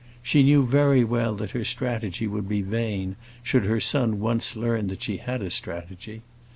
She knew very well that her strategy would be vain should her son once learn that she had a strategy.